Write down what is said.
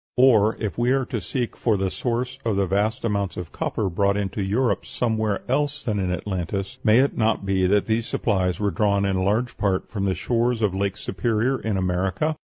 Or, if we are to seek for the source of the vast amount of copper brought into Europe somewhere else than in Atlantis, may it not be that these supplies were drawn in large part from the shores of Lake Superior in America?